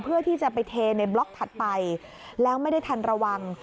เพื่อที่จะไปเทในบล็อกถัดไปแล้วไม่ได้ทันระวัง